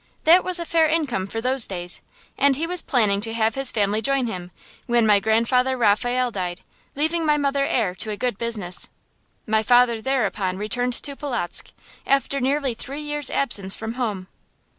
That was a fair income for those days, and he was planning to have his family join him when my Grandfather Raphael died, leaving my mother heir to a good business. My father thereupon returned to Polotzk, after nearly three years' absence from home.